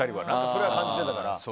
それは感じてたから。